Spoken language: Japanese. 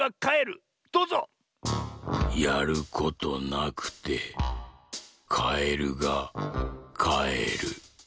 「やることなくてカエルがかえる」。